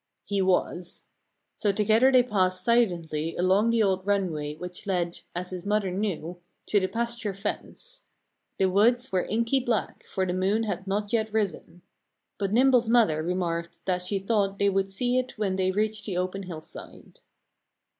He was. So together they passed silently along the old runway which led, as his mother knew, to the pasture fence. The woods were inky black, for the moon had not yet risen. But Nimble's mother remarked that she thought they would see it when they reached the open hillside.